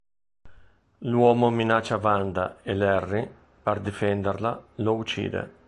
L'uomo minaccia Wanda e Larry, per difenderla, lo uccide.